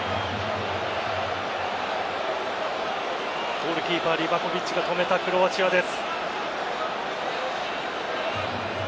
ゴールキーパーリヴァコヴィッチが止めたクロアチアです。